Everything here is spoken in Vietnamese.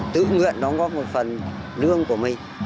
tự nguyện đóng góp một phần lương của mình